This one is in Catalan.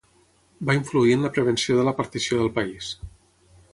Va influir en la prevenció de la partició del país.